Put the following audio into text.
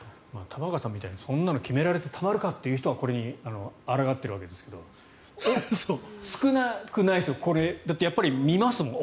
玉川さんみたいにそんなの決められてたまるかという人はこれにあらがっているわけですが少なくないですよね、これだって見ますもん。